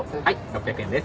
６００円です。